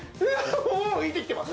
もう浮いてきてます